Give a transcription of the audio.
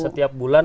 setiap bulan datang